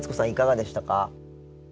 いかがでしたか？